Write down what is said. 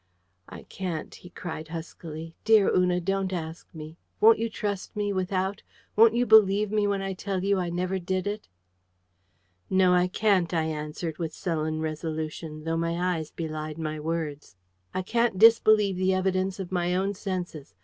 "I can't!" he cried huskily. "Dear Una, don't ask me! Won't you trust me, without? Won't you believe me when I tell you, I never did it?" "No, I can't," I answered with sullen resolution, though my eyes belied my words. "I can't disbelieve the evidence of my own senses.